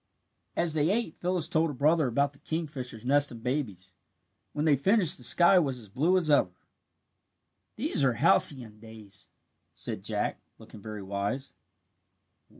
As they ate Phyllis told her brother about the kingfisher's nest and babies. When they finished the sky was as blue as ever. "These are halcyon days," said Jack, looking very wise.